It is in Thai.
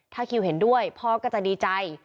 ถ้าคิวเห็นด้วยพ่อก็จะดีใจ